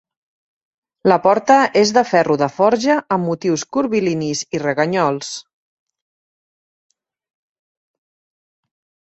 La porta és de ferro de forja, amb motius curvilinis i reganyols.